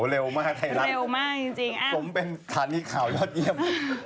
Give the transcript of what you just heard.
รวมสมเป็นฐานีข่ายอดเยี่ยม